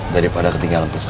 daripada ketinggalan pesawat